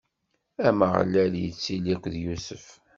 Ameɣlal ittili akked Yusef.